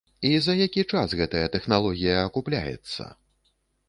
І за які час гэтая тэхналогія акупляецца?